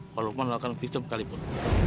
walaupun melakukan visum kalipun